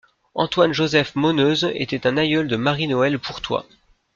Antoine-Joseph Moneuse était un aïeul de Marie-Noëlle Pourtois.